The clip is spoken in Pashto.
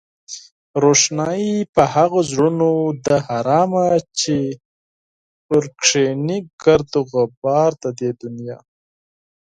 روښنايي په هغو زړونو ده حرامه چې پرې کېني گرد غبار د دې دنيا